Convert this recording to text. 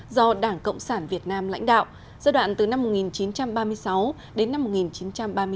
do đảng cộng sản việt nam lãnh đạo giai đoạn từ năm một nghìn chín trăm ba mươi sáu đến năm một nghìn chín trăm ba mươi bốn